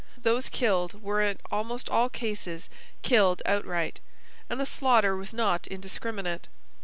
Those killed were in almost all cases killed outright, and the slaughter was not indiscriminate.